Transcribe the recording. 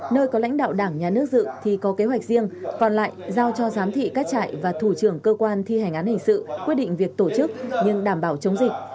nơi có lãnh đạo đảng nhà nước dự thì có kế hoạch riêng còn lại giao cho giám thị các trại và thủ trưởng cơ quan thi hành án hình sự quyết định việc tổ chức nhưng đảm bảo chống dịch